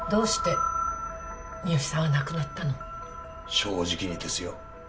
正直にですよ。